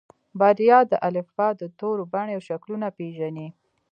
بريا د الفبا د تورو بڼې او شکلونه پېژني.